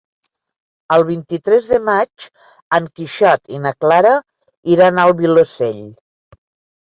El vint-i-tres de maig en Quixot i na Clara iran al Vilosell.